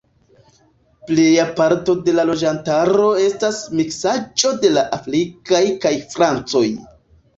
Pleja parto de la loĝantaro estas miksaĵo de afrikaj kaj francoj.